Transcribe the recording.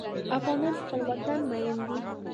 افغانان په خپل وطن مین دي.